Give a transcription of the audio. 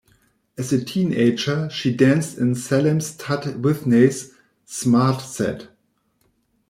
As a teenager, she danced in Salem Tutt Whitney's "Smart Set".